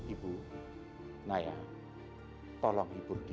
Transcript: ibu naya tolong hibur dia